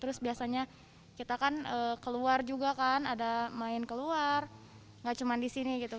terus biasanya kita kan keluar juga kan ada main keluar nggak cuma di sini gitu